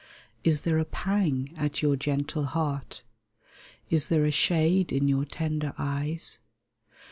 Is there a pang at your gentle heart ? Is there a shade in your tender eyes